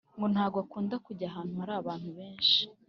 ngo ntago akunda kujya ahantu hari ababntu benshi